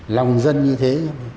lòng dân như thế